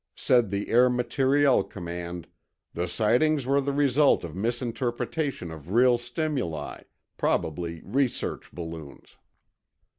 Said the Air Materiel Command: "The sightings were the result of misinterpretation of real stimuli, probably research balloons."